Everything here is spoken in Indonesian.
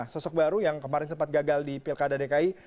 sosok baru yang kemarin sempat gagal di pilkada dki